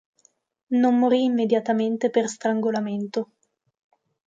Non morì immediatamente per strangolamento.